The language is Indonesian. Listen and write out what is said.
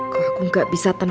kok aku gak bisa tenang